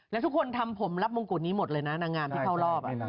แล้วทุกคนทำผมรับมงกุฎนี้หมดเลยนะนางงามที่เข้ารอบ